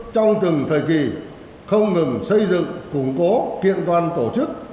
trong từng thời kỳ không ngừng xây dựng củng cố kiện toàn tổ chức